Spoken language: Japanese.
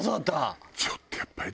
ちょっとやっぱり。